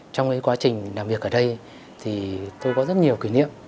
trong cái quá trình làm việc ở đây thì tôi có rất nhiều kỷ niệm